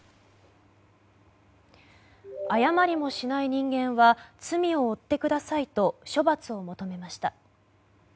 謝りもしない人間は罪を負ってくださいと処罰を求めました。